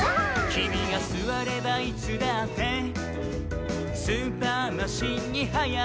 「きみがすわればいつだってスーパー・マシンにはやがわり」